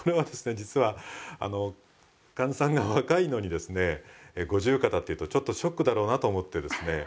実はあの患者さんが若いのにですね五十肩って言うとちょっとショックだろうなと思ってですね